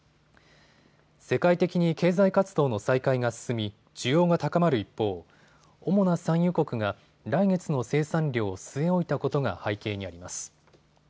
世界的に経済活動の再開が進み需要が高まる一方、主な産油国が来月の生産量を据え置いたことが背景にあります。